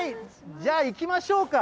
じゃあいきましょうか。